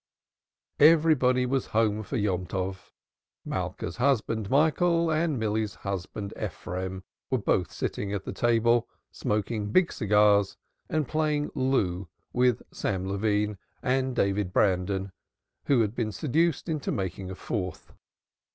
Everybody was home for Yomtov. Malka's husband, Michael, and Milly's husband, Ephraim, were sitting at the table smoking big cigars and playing Loo with Sam Levine and David Brandon, who had been seduced into making a fourth.